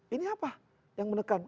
ini apa yang menekan